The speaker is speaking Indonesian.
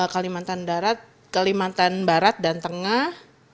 kalimantan barat dan tengah